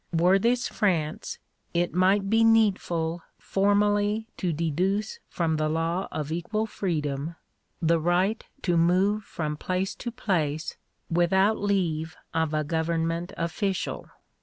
Were this France, it might be needful formally to deduce from the law of equal freedom, the right to move from place to place without leave of a government official.